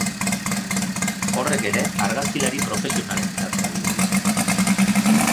Horrek ere argazkilari profesionalentzat balio du.